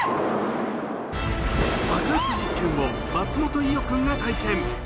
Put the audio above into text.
爆発実験を松本伊代君が体験。